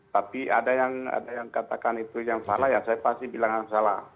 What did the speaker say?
tapi ada yang katakan itu yang salah ya saya pasti bilang yang salah